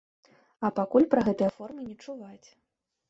І пакуль пра гэтыя рэформы не чуваць.